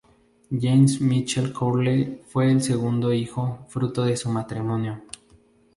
James Michael Curley fue el segundo hijo fruto de su matrimonio.